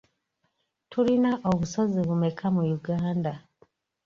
Tulina obusozi bumeka mu Uganda?